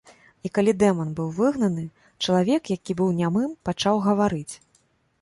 І калі дэман быў выгнаны, чалавек, які быў нямым пачаў гаварыць.